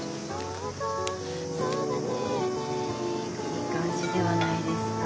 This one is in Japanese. おいい感じではないですか。